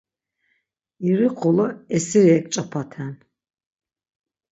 İri xolo esiri eǩç̌opaten.